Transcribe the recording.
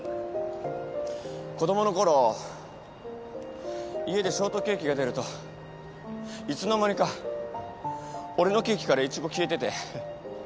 子供のころ家でショートケーキが出るといつの間にか俺のケーキからイチゴ消えてて。